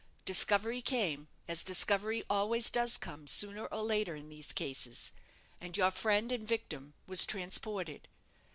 Discovery came, as discovery always does come, sooner or later, in these cases, and your friend and victim was transported.